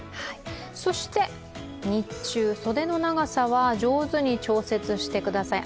日中、袖の長さは上手に調節してください。